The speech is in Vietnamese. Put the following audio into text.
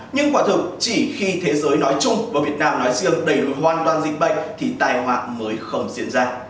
nhưng quả thực chỉ khi thế giới nói chung và việt nam nói riêng đầy đủ hoàn toàn dịch bệnh thì tài hoạt mới không diễn ra